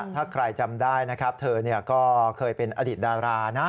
ถ้าใครจำได้นะครับเธอก็เคยเป็นอดีตดารานะ